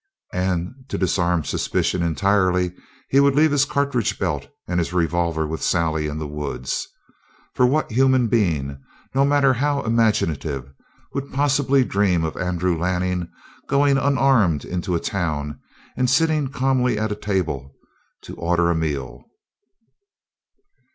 And to disarm suspicion entirely he would leave his cartridge belt and his revolver with Sally in the woods. For what human being, no matter how imaginative, would possibly dream of Andrew Lanning going unarmed into a town and sitting calmly at a table to order a meal?